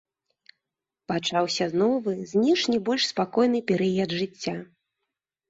Пачаўся новы, знешне больш спакойны перыяд жыцця.